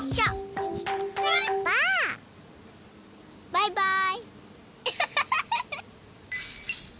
バイバイ。